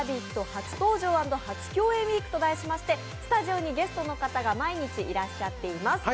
初登場＆初共演ウイークとダイしましてスタジオにゲストの方が毎日いらっしゃっています。